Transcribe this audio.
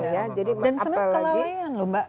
dan sebenarnya kelalaian loh mbak